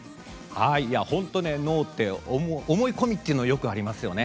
本当、脳って思い込みってよくありますよね。